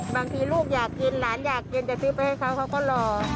บางทีลูกอยากกินหลานอยากกินจะซื้อไปให้เขาเขาก็รอ